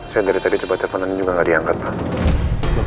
saya dari tadi cepet teleponan juga gak diangkat pak